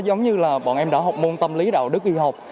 giống như là bọn em đã học môn tâm lý đạo đức y học